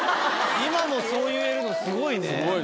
今もそう言えるのスゴいね。